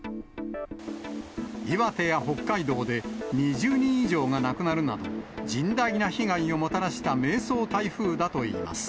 岩手や北海道で２０人以上が亡くなるなど、甚大な被害をもたらした迷走台風だといいます。